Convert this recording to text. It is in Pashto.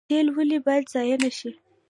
تیل ولې باید ضایع نشي؟